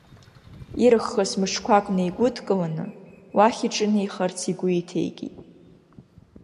Ирыххыз мыҿқәак неигәыдкыланы, уахь иҿынеихарц игәы инҭеикит.